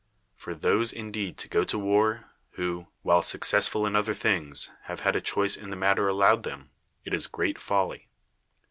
For those indeed to go to war, who, while suc 28 PERICLES cessful in other things, have had a choice in the matter allowed them, it is great folly.